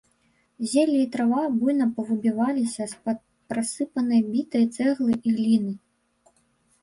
Зелле і трава буйна павыбіваліся з-пад парассыпанай бітай цэглы і гліны.